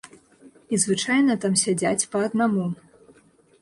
І звычайна там сядзяць па аднаму.